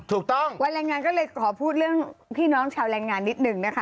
ถูกต้องวันแรงงานก็เลยขอพูดเรื่องพี่น้องชาวแรงงานนิดนึงนะคะ